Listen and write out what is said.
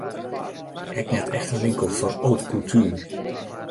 Ek net echt in winkel foar haute couture.